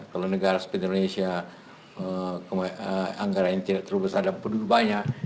kalau negara seperti indonesia anggaran yang tidak terbesar dan penduduknya banyak